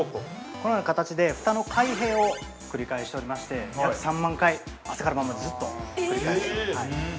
◆このような形で、ふたの開閉を繰り返しておりまして約３万回、朝から晩までずっと繰り返しています。